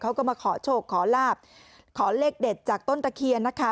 เขาก็มาขอโชคขอลาบขอเลขเด็ดจากต้นตะเคียนนะคะ